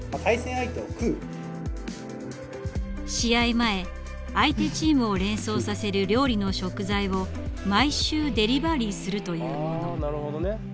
前相手チームを連想させる料理の食材を毎週デリバリーするというもの。